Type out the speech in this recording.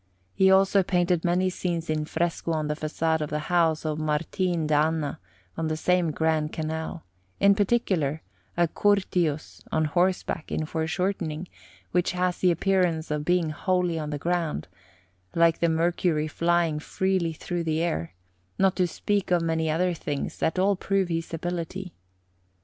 He also painted many scenes in fresco on the façade of the house of Martin d'Anna on the same Grand Canal; in particular, a Curtius on horseback in foreshortening, which has the appearance of being wholly in the round, like the Mercury flying freely through the air, not to speak of many other things that all prove his ability.